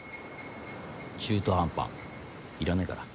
中途半端いらないから。